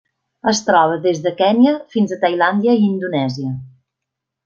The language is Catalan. Es troba des de Kenya fins a Tailàndia i Indonèsia.